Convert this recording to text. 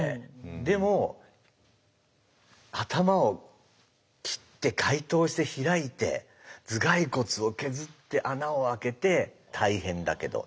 でも頭を切って開頭して開いて頭蓋骨を削って穴をあけて大変だけど。